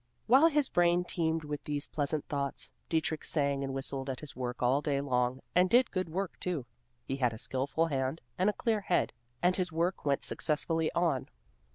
While his brain teemed with these pleasant thoughts, Dietrich sang and whistled at his work all day long, and did good work, too. He had a skilful hand and a clear head, and his work went successfully on.